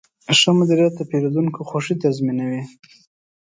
ښه مدیریت د پیرودونکو خوښي تضمینوي.